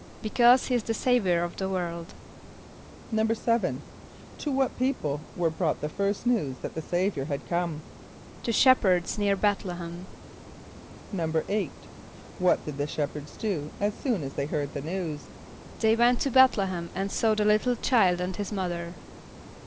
=Because he is the Saviour of the world.= =7.= To what people were brought the first news that the Saviour had come? =To shepherds near B[)e]th´l[)e] h[)e]m.= =8.= What did the shepherds do as soon as they heard the news? =They went to B[)e]th´l[)e] h[)e]m and saw the little child and his mother.